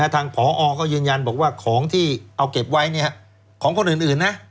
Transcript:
ทางผอก็ยืนยันบอกว่าของที่เอาเก็บไว้ของคนอื่นนะ